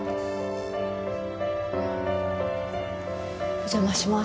お邪魔します。